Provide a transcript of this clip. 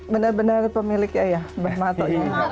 bener bener pemiliknya ya bah marto